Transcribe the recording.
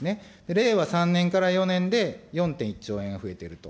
令和３年から４年で４．１兆円が増えていると。